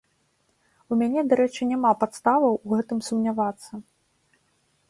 У мяне, дарэчы, няма падставаў у гэтым сумнявацца.